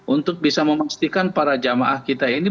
untuk bisa memastikan para jamaah kita ini